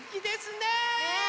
ねえ！